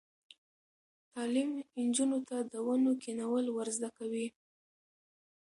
تعلیم نجونو ته د ونو کینول ور زده کوي.